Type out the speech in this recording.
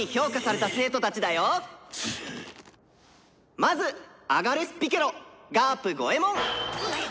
「まずアガレス・ピケロガープ・ゴエモン！